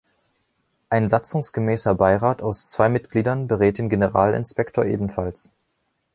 Ein satzungsgemäßer Beirat aus zwei Mitgliedern berät den Generalinspektor ebenfalls.